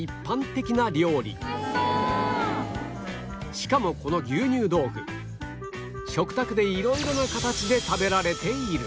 しかもこの牛乳豆腐食卓で色々な形で食べられている